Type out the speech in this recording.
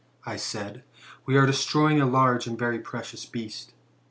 I said, we are destroying a large and very precious beast.